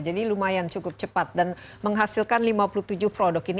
jadi lumayan cukup cepat dan menghasilkan lima puluh tujuh produk ini